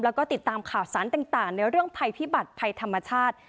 แล้วก็ติดตามข่าวสารต่างในเรื่องภัยพิบัติภัยธรรมชาติ